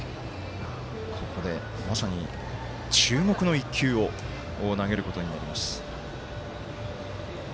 ここでまさに、注目の１球を投げることになります。